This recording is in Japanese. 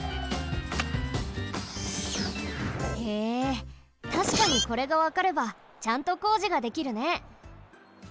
へえたしかにこれがわかればちゃんとこうじができるね。